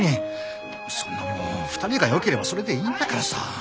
そんなもの２人がよければそれでいいんだからさ！